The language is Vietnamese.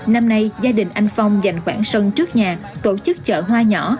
năm nay gia đình anh phong dành khoảng sân trước nhà tổ chức chợ hoa nhỏ